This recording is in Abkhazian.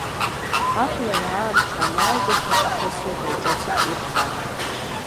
Ахәлара аамҭа анааигәаха ахысра дырҿыцит ҩаԥхьа.